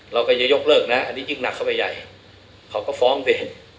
เราก็จะยกเลิกนะอันนี้ยิ่งหนักเข้าไปใหญ่เขาก็ฟ้องไป